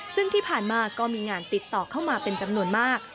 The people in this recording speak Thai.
ซึ่งที่ผ่านมาก็มีงานติดต่อเข้ามาเป็นจำนวนมาก